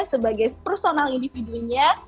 sebagai personal individunya